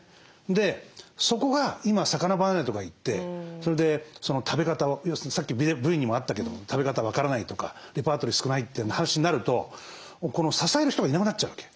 でそこが今魚離れとかいってそれで食べ方をさっきＶにもあったけど食べ方分からないとかレパートリー少ないって話になると支える人がいなくなっちゃうわけ。